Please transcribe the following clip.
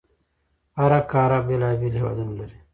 هره قاره بېلابېل هیوادونه لري.